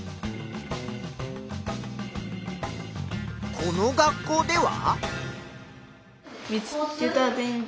この学校では？